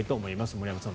森山さん